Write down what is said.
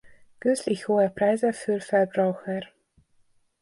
Künstlich hohe Preise für Verbraucher.